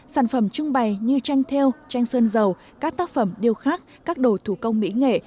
sản phẩm trưng bày như tranh theo tranh sơn dầu các tác phẩm điêu khắc các đồ thủ công mỹ nghệ